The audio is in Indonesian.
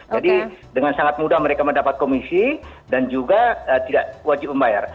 jadi dengan sangat mudah mereka mendapat komisi dan juga tidak wajib membayar